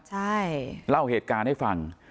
ใช่เล่าเหตุการณ์ให้ฟัง